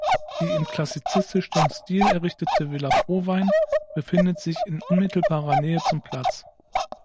Die im klassizistischen Stil errichtete Villa Frowein befindet sich in unmittelbarer Nähe zum Platz.